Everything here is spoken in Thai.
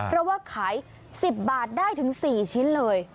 เพราะว่าขาย๑๐บาทได้ถึง๔ชิ้นเลย